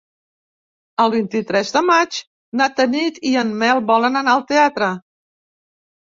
El vint-i-tres de maig na Tanit i en Nel volen anar al teatre.